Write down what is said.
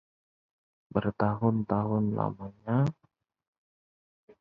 bertahun-tahun lamanya ia menyelidik bahasa dan adat istiadat suku Toraja